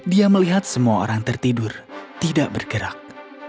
dia melihat semua orang tertidur tidak bergerak